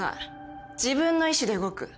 自分の意思で動く。